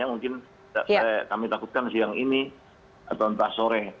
mungkin kami takutkan siang ini atau entah sore